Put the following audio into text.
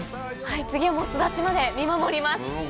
次はもう巣立ちまで見守ります。